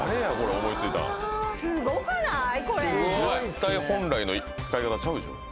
絶対本来の使い方ちゃうでしょ。